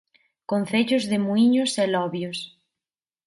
Concellos de Muíños e Lobios.